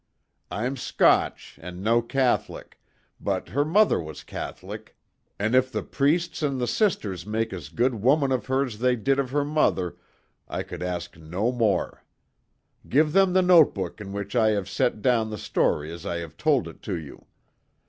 I'm Scotch, an' no Catholic but, her mother was Catholic, an' if the priests an' the sisters make as good woman of her as they did of her mother, I could ask no more. Give them the notebook in which I have set down the story as I have told it to you.